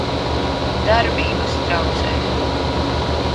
Darbības traucējumi